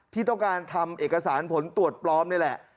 ที่ต้องการทำเอกสารผลตรวจปลอมนี่แหละ